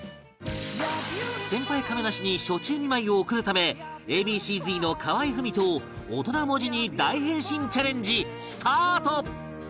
先輩亀梨に暑中見舞いを送るため Ａ．Ｂ．Ｃ−Ｚ の河合郁人を大人文字に大変身チャレンジスタート！